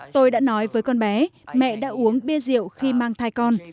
tôi đã nói với con bé mẹ đã uống bia rượu khi mang thai con